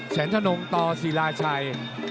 แสนทนงต่อศิลาชัย